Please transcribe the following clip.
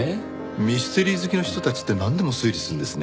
ミステリー好きの人たちってなんでも推理するんですね。